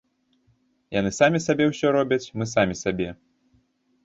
Яны самі сабе ўсё робяць, мы самі сабе.